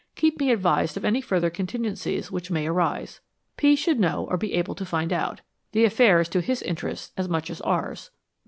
Keep me advised of any further contingencies which may arise. P. should know or be able to find out. The affair is to his interests as much as ours.